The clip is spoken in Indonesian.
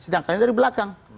sedangkan dari belakang